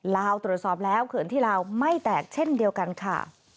ลาวตรวจสอบแล้วเขินที่ลาวไม่แตกเช่นเดียวกันค่ะ